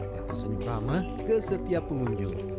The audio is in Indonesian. yang tersenyum ramah ke setiap pengunjung